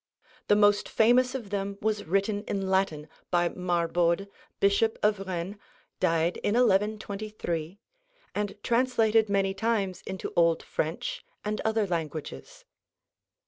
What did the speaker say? The most famous of them was written in Latin by Marbode, Bishop of Rennes (died in 1123), and translated many times into Old French and other languages.